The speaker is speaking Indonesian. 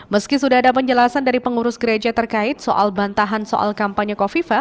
meski sudah ada penjelasan dari pengurus gereja terkait soal bantahan soal kampanye kofifa